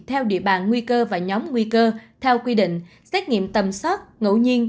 theo địa bàn nguy cơ và nhóm nguy cơ theo quy định xét nghiệm tầm soát ngẫu nhiên